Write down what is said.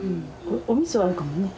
おみそ合うかもね。